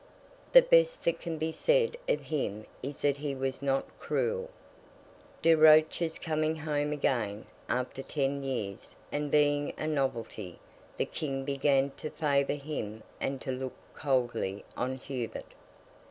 The best that can be said of him is that he was not cruel. De Roches coming home again, after ten years, and being a novelty, the King began to favour him and to look coldly on Hubert.